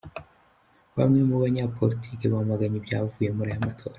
Bamwe mu banya politiki bamaganye ibyavuye muri aya matora.